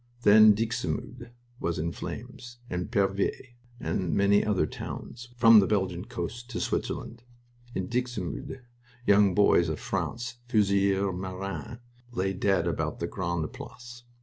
Then Dixmude was in flames, and Pervyse, and many other towns from the Belgian coast to Switzerland. In Dixmude young boys of France fusiliers marins lay dead about the Grande Place.